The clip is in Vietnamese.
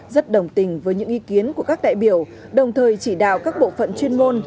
rất đồng tình với những ý kiến của các đại biểu đồng thời chỉ đạo các bộ phận chuyên môn